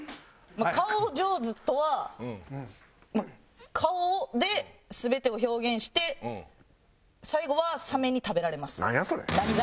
顔ジョーズとは顔で全てを表現して最後はサメに食べられます。